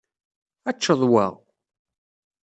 Ad teččeḍ wa?